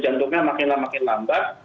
jantungnya makin lambat